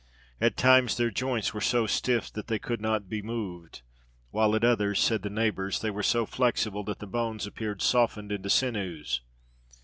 At times their joints were so stiff that they could not be moved; while at others, said the neighbours, they were so flexible, that the bones appeared softened into sinews.